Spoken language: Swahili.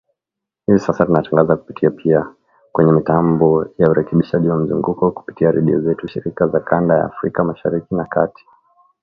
Hivi sasa tunatangaza kupitia pia kwenye mitambo ya Urekebishaji wa Mzunguko kupitia redio zetu shirika za kanda ya Afrika Mashariki na Kati.